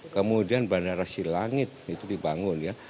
kemudian bandara silangit itu dibangun ya